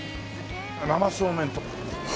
生そうめんと。